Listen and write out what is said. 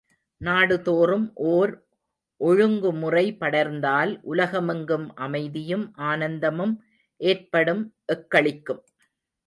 நாடுதோறும் ஓர் ஒழுங்குமுறை படர்ந்தால் உலகமெங்கும் அமைதியும், ஆனந்தமும் ஏற்படும் எக்களிக்கும்.